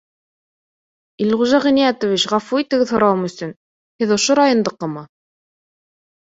— Илғужа Ғиниәтович, ғәфү итегеҙ һорауым өсөн, һеҙ ошо райондыҡымы?